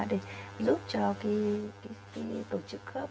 để giúp cho cái tổ chức khớp